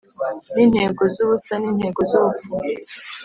nintego zubusa nintego zubupfu. ..